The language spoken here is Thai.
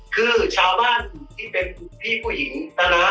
คือชาวบ้านที่เป็นพี่ผู้หญิงนะฮะ